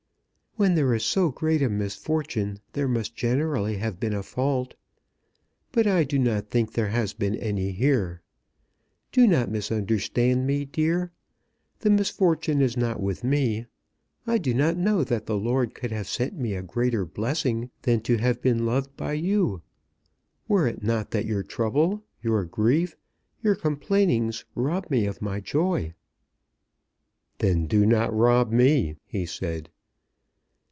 "When there is so great a misfortune there must generally have been a fault. But I do not think there has been any here. Do not misunderstand me, dear. The misfortune is not with me. I do not know that the Lord could have sent me a greater blessing than to have been loved by you, were it not that your trouble, your grief, your complainings rob me of my joy." "Then do not rob me," he said.